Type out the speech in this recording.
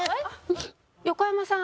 横山さん。